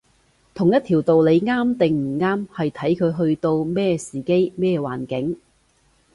同一條道理啱定唔啱，係睇佢去到咩時機，咩環境